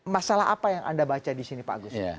masalah apa yang anda baca di sini pak agus